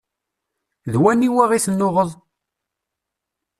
D waniwa i tennuɣeḍ?